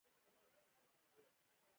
قدرت د انساني ژوند هر اړخ اغېزمنوي.